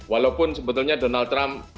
walaupun sebetulnya donald trump pada saat ini